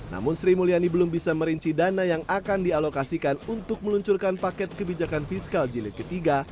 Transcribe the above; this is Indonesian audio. namun sri mulyani belum bisa merinci dana yang akan dialokasikan untuk meluncurkan paket kebijakan fiskal jilid ketiga